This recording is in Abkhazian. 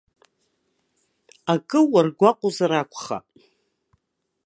Акы уаргәаҟуазар акәхап?